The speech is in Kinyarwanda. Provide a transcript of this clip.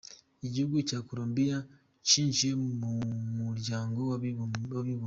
Igihugu cya Colombiya cyinjiye mu muryango w’abibumbye.